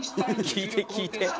聞いて聞いて。